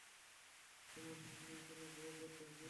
তোমার সামনে এখনও বহু পথ বাকি।